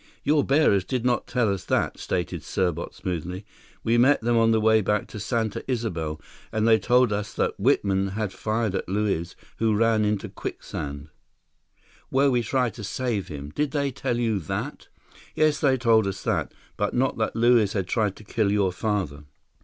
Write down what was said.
"Your bearers did not tell us that," stated Serbot smoothly. "We met them on their way back to Santa Isabel, and they told us that Whitman had fired at Luiz, who ran into quicksand—" "Where we tried to save him. Did they tell you that?" "Yes, they told us that. But not that Luiz had tried to kill your father."